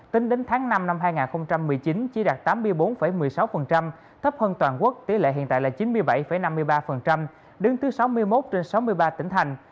tính đến tháng năm năm hai nghìn một mươi chín chỉ đạt tám mươi bốn một mươi sáu thấp hơn toàn quốc tỷ lệ hiện tại là chín mươi bảy năm mươi ba đứng thứ sáu mươi một trên sáu mươi ba tỉnh thành